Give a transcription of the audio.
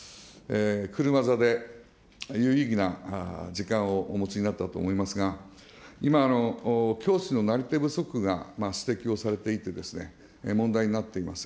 車座で有意義な時間をお持ちになったと思いますが、今、教師のなり手不足が指摘をされていて、問題になっています。